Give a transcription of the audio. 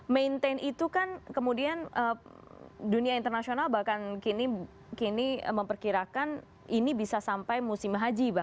maintain itu kan kemudian dunia internasional bahkan kini memperkirakan ini bisa sampai musim haji